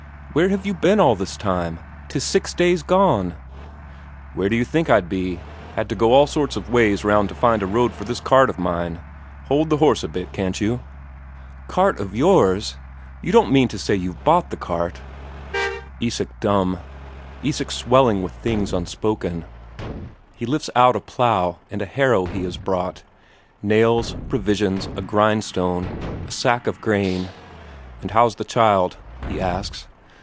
Where have you been all this time? 'Tis six days gone." "Where d'you think I'd be? Had to go all sorts of ways round to find a road for this cart of mine. Hold the horse a bit, can't you?" "Cart of yours! You don't mean to say you've bought that cart?" Isak dumb; Isak swelling with things unspoken. He lifts out a plough and a harrow he has brought; nails, provisions, a grindstone, a sack of corn. "And how's the child?" he asks.